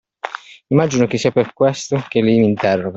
Immagino che sia per questo che lei m'interroga.